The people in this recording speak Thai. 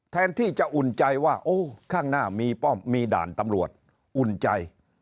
แทนที่จะอุ่นใจว่าโอ้ข้างหน้ามีป้อมมีด่านตำรวจอุ่นใจ